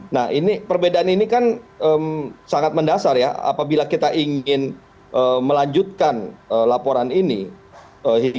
nah ini perbedaan ini kan sangat mendasar ya apabila kita ingin melanjutkan laporan ini hingga sampai pada proses penegangan hukum